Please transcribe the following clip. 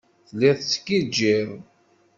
Telliḍ tettgijjiḍ.